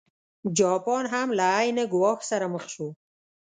جاپان هم له عین ګواښ سره مخ شو.